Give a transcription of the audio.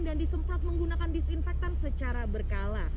dan disempat menggunakan disinfektan secara berkala